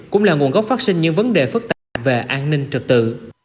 cũng là nguồn gốc phát sinh những vấn đề phức tạp về an ninh trật tự